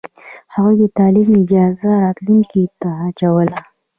هغوی د تعلیم اجازه راتلونکې ته اچوله.